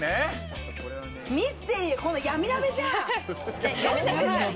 ミステリー、闇鍋じゃん。